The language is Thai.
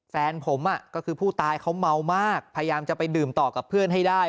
แฟนผมก็คือผู้ตายเขาเมามากพยายามจะไปดื่มต่อกับเพื่อนให้ได้